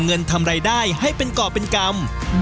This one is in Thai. แล้วก็สองก็คือโรคขี้เปื่อยหางเปื่อยเหือกเปื่อยพวกเนี้ยครับ